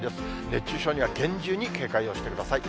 熱中症には厳重に警戒をしてください。